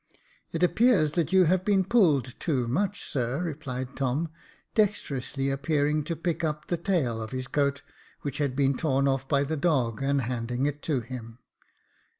It appears that you have been pulled too much, sir," replied Tom, dexterously appearing to pick up the tail of his coat, which had been torn off by the dog, and handing it to him.